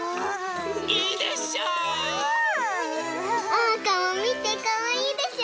おうかもみてかわいいでしょ？